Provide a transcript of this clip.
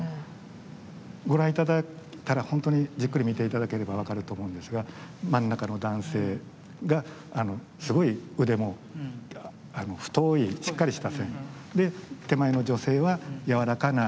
ご覧頂いたらほんとにじっくり見て頂ければ分かると思うんですが真ん中の男性がすごい腕も太いしっかりした線で手前の女性は柔らかな曲線。